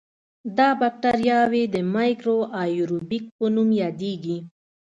دا بکټریاوې د میکرو آئیروبیک په نوم یادیږي.